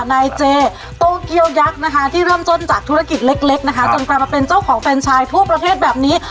นายเจโตเกียวยักษ์นะคะที่เริ่มต้นจากธุรกิจเล็กนะคะจนกลายมาเป็นเจ้าของแฟนชายทั่วประเทศแบบนี้